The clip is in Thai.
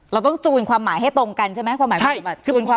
เราต้องจูนความหมายให้ตรงกันใช่ไหมความหมายความ